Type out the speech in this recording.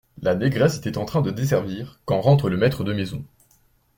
La négresse est en train de desservir, quand rentre le maître de la maison.